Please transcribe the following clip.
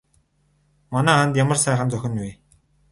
Манай хаанд ямар сайхан зохино вэ?